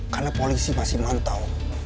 karena polisi masih mantau